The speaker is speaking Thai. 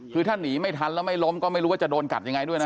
คือถ้าหนีไม่ทันแล้วไม่ล้มก็ไม่รู้ว่าจะโดนกัดยังไงด้วยนะ